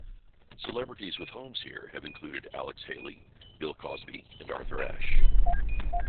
Celebrities with homes here have included Alex Haley, Bill Cosby, and Arthur Ashe.